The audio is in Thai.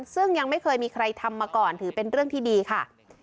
ซึ่งยังไม่เคยมีใครทำมาก่อนถือเป็นเรื่องที่ดีค่ะ